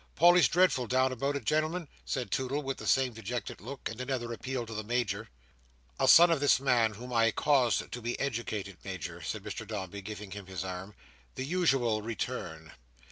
Polly's dreadful down about it, genelmen," said Toodle with the same dejected look, and another appeal to the Major. "A son of this man's whom I caused to be educated, Major," said Mr Dombey, giving him his arm. "The usual return!"